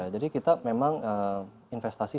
jadi kita memang investasi